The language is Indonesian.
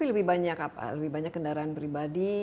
lebih banyak kendaraan pribadi